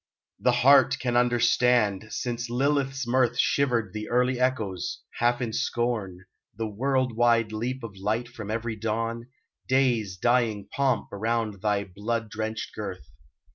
The heart can understand, since Lilith's mirth Shivered the early echoes, half in scorn, The world wide leap of light from every dawn, Day's dying pomp around thy blood drenched girth.